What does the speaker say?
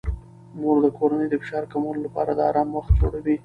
مور د کورنۍ د فشار کمولو لپاره د آرام وخت جوړوي.